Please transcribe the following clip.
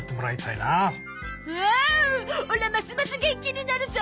オラますます元気になるゾ！